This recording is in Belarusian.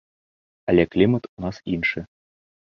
Але клімат у нас іншы.